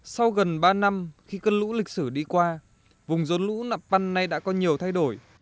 sau gần ba năm khi cơn lũ lịch sử đi qua vùng rốn lũ nạm păn nay đã có nhiều thay đổi